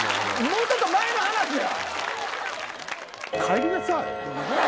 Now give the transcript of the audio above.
もうちょっと前の話や！